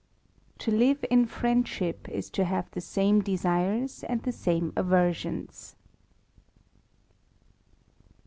'* To live in friendship is to have the same deares and the same aversions."